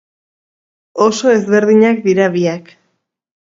Oso ezberdinak dira biak.